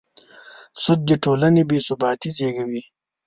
سود د ټولنې بېثباتي زېږوي.